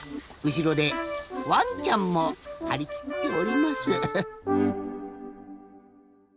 うしろでワンちゃんもはりきっております。